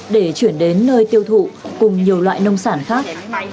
để chuyển đến nơi tiêu thụ cùng nhiều loại nông sản khác